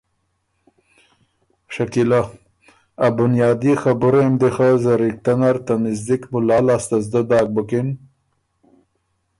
شکیلۀ: ا بنیادي خبُرئ م دی خه زرِکته نر ته مِزدک مُلا لاسته زدۀ داک بُکِن